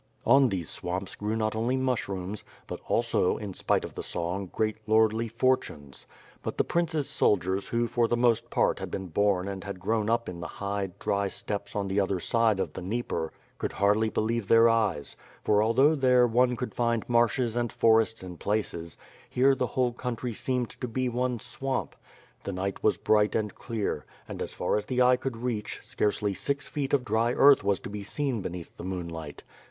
On these swamps grew not only mushrooms, but also, in spite of the song, great lordly fortunes. But the prince's soldiers who for the most part had been born and had grown up in the high, dry steppes on the other side of the Dnieper, could hardly believe their eyes, for although there one could find marshes and forests in places, here the whole country seemed to be one swamp. The night was bright and clear, ■ and as far as the eye could reach, scarcely six feet of dry earth was to be seen beneath the moonlight.